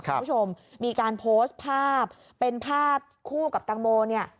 คุณผู้ชมมีการโพสต์ภาพเป็นภาพคู่กับตังโมเนี่ย